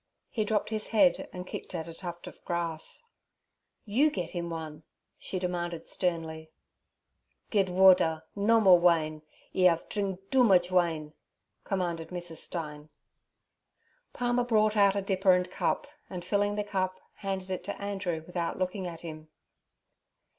He dropped his head and kicked at a tuft of grass. 'You get him one!' she demanded sternly. 'Ged warder, no more wine; 'e haf dring doo much wine' commanded Mrs. Stein. Palmer brought out a dipper and cup, and, filling the cup, handed it to Andrew without looking at him.